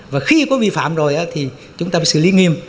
và khi có vi phạm rồi thì chúng ta phải xử lý nghiêm